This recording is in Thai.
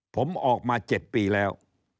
ผมออกมา๗ปีแล้ว